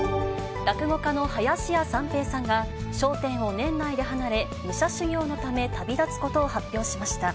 落語家の林家三平さんが、笑点を年内で離れ、武者修行のため、旅立つことを発表しました。